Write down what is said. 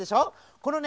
このね